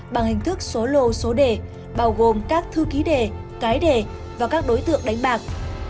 bằng hình thức số lô số đề bao gồm các thư ký đề cái đề và các đối tượng đánh bạc